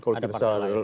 ada partai lain